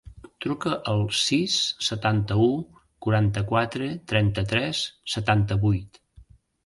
Truca al sis, setanta-u, quaranta-quatre, trenta-tres, setanta-vuit.